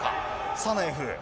サナエフ。